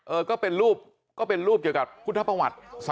เออก็เป็นรูปก็เป็นรูปจากผู้ทธประวัติสัตยา